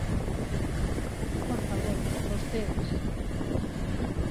Por favor, vostedes.